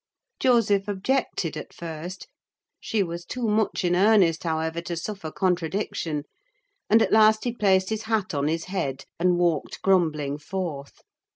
Joseph objected at first; she was too much in earnest, however, to suffer contradiction; and at last he placed his hat on his head, and walked grumbling forth.